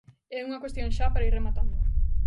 E unha cuestión xa para ir rematando.